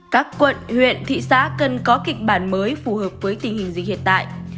các quận huyện thị xã cần có kịch bản mới phù hợp với tình hình dịch hiện tại